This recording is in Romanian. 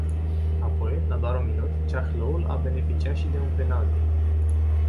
Apoi, la doar un minut, Ceahlăul a beneficiat și de un penalty.